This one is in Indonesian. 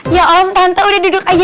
ya orang tante udah duduk aja